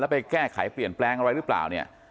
แล้วไปแก้ไขเปลี่ยนแปลงอะไรหรือเปล่า